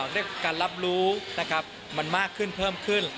ด้วยการรับรู้นะครับมันมากขึ้นเพิ่มขึ้น